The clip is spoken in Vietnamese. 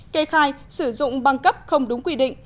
kê khai sử dụng băng cấp không đúng quy định